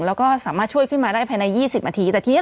แล้วสามารถช่วยขึ้นมาได้ภายใน๒๐มิที